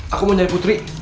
aku mau nyari putri